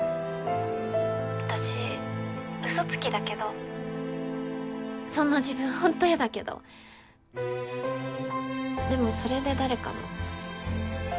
私うそつきだけどそんな自分ほんとやだけどでもそれで誰かの。